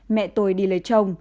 mẹ tôi đi lấy chồng